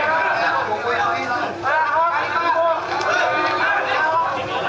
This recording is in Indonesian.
harus itu baru bagaimanya